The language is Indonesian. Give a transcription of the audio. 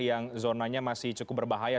yang zonanya masih cukup berbahaya